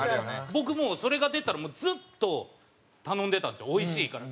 僕もうそれが出たらずっと頼んでたんですよおいしいから。